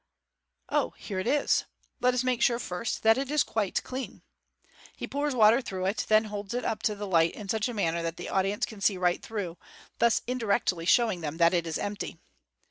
Oh, here it is. Let us make sure first that it is quite clean.'' He pours water through it, and then holds it up to the light in such a manner that the audience can see right through, thus indirectly showing them that it is empty.